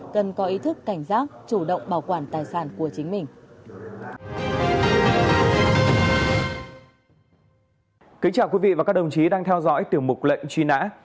cần có ý thức cảnh giác chủ động bảo quản tài sản của chính mình